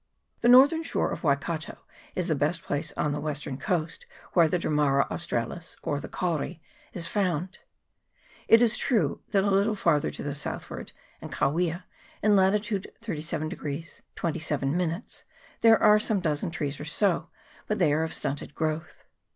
The northern shore of Manukao is the last place on the western coast where the Dammara australis, or the kauri, is found. It is true, that a little farther to the southward, in Kawia, in latitude 37 27 ', there are some dozen trees or so, but they are of stunted growth.